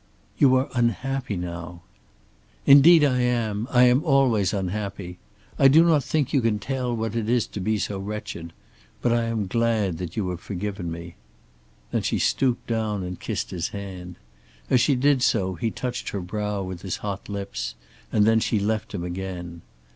"You are unhappy now." "Indeed I am. I am always unhappy. I do not think you can tell what it is to be so wretched. But I am glad that you have forgiven me." Then she stooped down and kissed his hand. As she did so he touched her brow with his hot lips, and then she left him again.